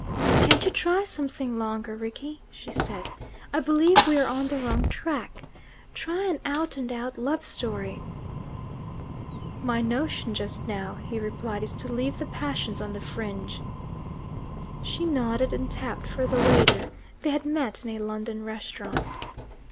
"Can't you try something longer, Rickie?" she said; "I believe we're on the wrong track. Try an out and out love story." "My notion just now," he replied, "is to leave the passions on the fringe." She nodded, and tapped for the waiter: they had met in a London restaurant.